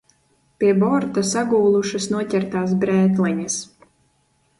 Pie borta sagūlušas noķertās brētliņas.